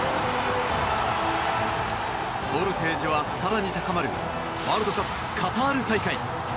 ボルテージは更に高まるワールドカップカタール大会。